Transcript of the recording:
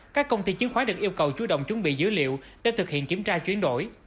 các công ty chứng khoán được yêu cầu chú động chuẩn bị dữ liệu để thực hiện kiểm tra chuyển đổi